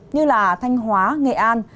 như là thanh hóa nghệ an